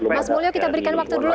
mas mulyo kita berikan waktu dulu